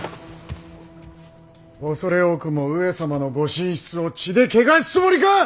恐れ多くも上様のご寝室を血で穢すつもりか！